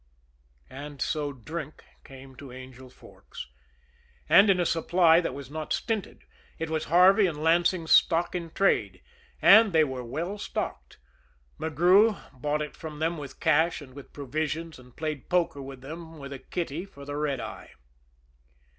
And so drink came to Angel Forks; and in a supply that was not stinted. It was Harvey and Lansing's stock in trade and they were well stocked. McGrew bought it from them with cash and with provisions, and played poker with them with a kitty for the "red eye."